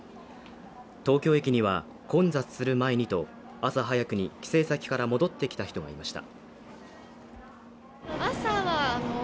東京駅には混雑する前にと朝早くに帰省先から戻ってきた人がいました。